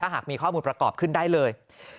หากมีข้อมูลประกอบขึ้นได้เลย